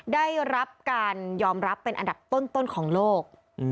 ได้รับการยอมรับเป็นอันดับต้นของโลก